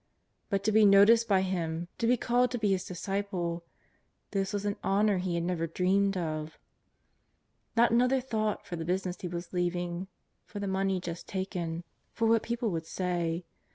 But to be noticed hj Him^ to be called to be His disciple — this was an honour he had never dreamed of. ^ot another thought for the business he was leaving, for the money just taken, for what people would say.